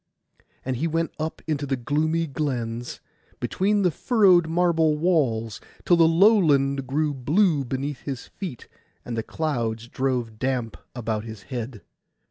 And he went up into the gloomy glens, between the furrowed marble walls, till the lowland grew blue beneath his feet and the clouds drove damp about his head.